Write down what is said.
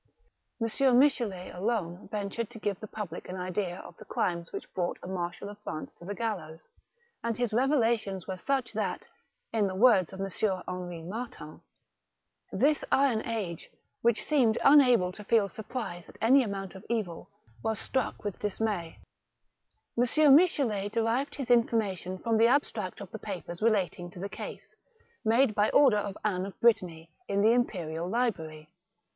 M. Michelet alone ventured to give the public an idea of the crimes which brought a marshal of France to the gallows, and his revelations were such that, in the words of M. Henri 182 THE BOOK OF WERE WOLVES. Martin, this iron age, which seemed unable to feel surprise at any amount of evil, was struck with dismay." M. Michelet derived his information from the ab stract of the papers relating to the case, made by order of Ann of Brittany, in the Imperial Library.